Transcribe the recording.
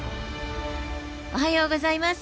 おはようございます！